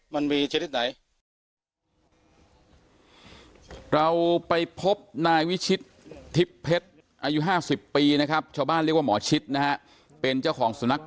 มันมีเฉพาะอย่างไร